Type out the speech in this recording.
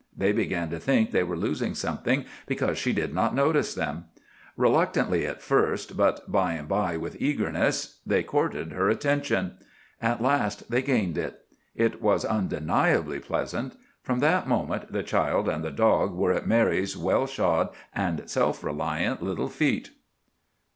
They began to think they were losing something because she did not notice them. Reluctantly at first, but by and by with eagerness, they courted her attention. At last they gained it. It was undeniably pleasant. From that moment the child and the dog were at Mary's well shod and self reliant little feet.